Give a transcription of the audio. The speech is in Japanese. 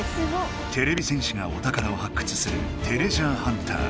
てれび戦士がお宝を発掘する「てれジャーハンター」。